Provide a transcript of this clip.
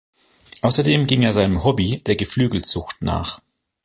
Außerdem ging er seinem Hobby, der Geflügelzucht, nach.